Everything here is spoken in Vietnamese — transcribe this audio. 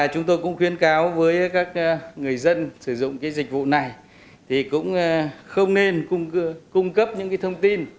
chúng tôi cũng khuyên cáo với các người dân sử dụng cái dịch vụ này thì cũng không nên cung cấp những cái thông tin